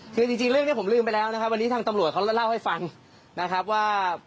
คือจริงเรื่องนี้ผมลืมไปแล้วนะครับวันนี้ทางตำรวจเขาเล่าให้ฟังนะครับว่า